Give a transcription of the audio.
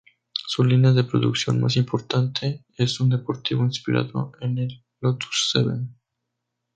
Su línea de producción más importante es un deportivo inspirado en el Lotus Seven